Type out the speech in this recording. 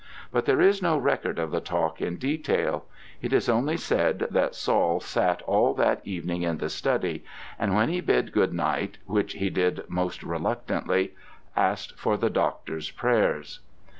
But there is no record of the talk in detail. It is only said that Saul sat all that evening in the study, and when he bid good night, which he did most reluctantly, asked for the doctor's prayers.